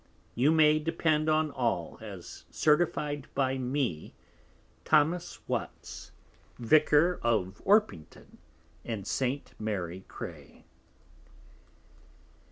You may depend on all, as certify'd by me, Thomas Watts, Vicar of Orpington and St. Mary Cray.